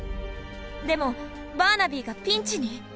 でもバーナビーがピンチに！